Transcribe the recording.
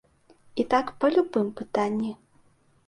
І так па любым пытанні.